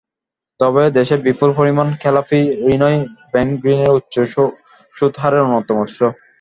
তবে দেশে বিপুল পরিমাণ খেলাপি ঋণই ব্যাংকঋণের উচ্চ সুদহারের অন্যতম উৎস।